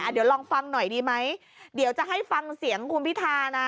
เดี๋ยวลองฟังหน่อยดีไหมเดี๋ยวจะให้ฟังเสียงคุณพิธานะ